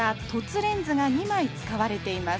レンズが２枚使われています。